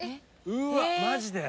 うーわっマジで？